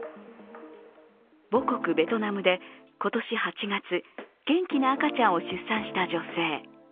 母国ベトナムで今年８月元気な赤ちゃんを出産した女性。